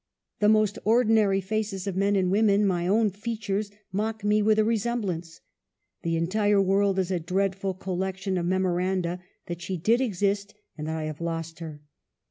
The most ordinary faces of men and women — my own features — mock me with a resemblance. The entire world is a dreadful collection of memoranda that she did exist, and that I have lost her